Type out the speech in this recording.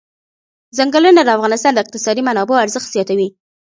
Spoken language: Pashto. ځنګلونه د افغانستان د اقتصادي منابعو ارزښت زیاتوي.